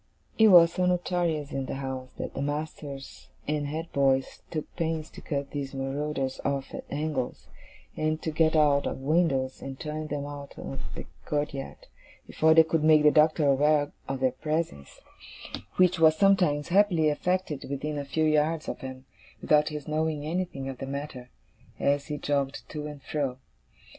It was so notorious in the house, that the masters and head boys took pains to cut these marauders off at angles, and to get out of windows, and turn them out of the courtyard, before they could make the Doctor aware of their presence; which was sometimes happily effected within a few yards of him, without his knowing anything of the matter, as he jogged to and fro.